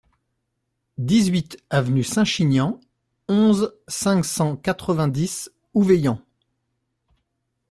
dix-huit avenue Saint-Chinian, onze, cinq cent quatre-vingt-dix, Ouveillan